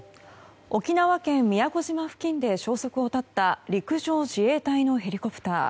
沖縄県宮古島付近で消息を絶った陸上自衛隊のヘリコプター。